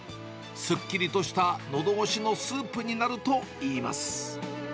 すっきりとしたのどごしのスープになるといいます。